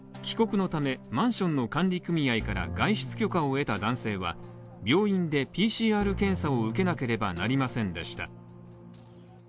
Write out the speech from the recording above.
帰国のため、マンションの管理組合から外出許可を得た男性は病院でＰＣＲ検査を受けなければなりませんでした。